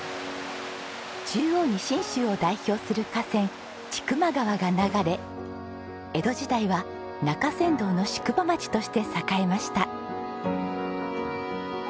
中央に信州を代表する河川千曲川が流れ江戸時代は中山道の宿場町として栄えました。